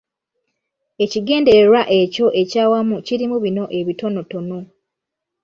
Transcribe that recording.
Ekigendererwa ekyo eky’awamu kirimu bino ebitonotono.